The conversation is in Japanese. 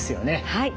はい。